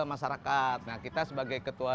masyarakat nah kita sebagai ketua